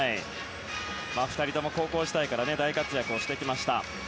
２人とも高校時代から大活躍をしてきました。